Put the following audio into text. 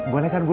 boleh kan bu